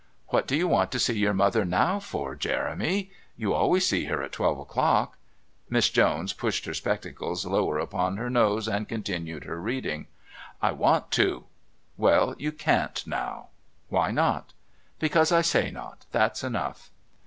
"What do you want to see your mother for now, Jeremy? You always see her at twelve o'clock." Miss Jones pushed her spectacles lower upon her nose and continued her reading. "I want to." "Well, you can't now." "Why not?" "Because I say not that's enough."